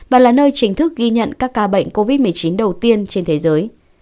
và là nơi chính thức ghi nhận các ca bệnh covid một mươi chín đầu tiên trên thế giới